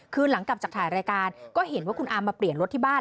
คือหลังจากถ่ายรายการก็เห็นว่าคุณอามมาเปลี่ยนรถที่บ้าน